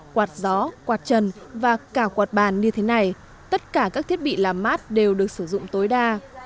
quạt gió quạt trần và cả quạt bàn như thế này tất cả các thiết bị làm mát đều được sử dụng tối đa